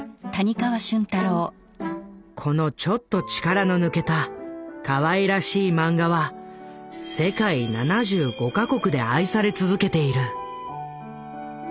このちょっと力の抜けたかわいらしいマンガは世界７５か国で愛され続けている。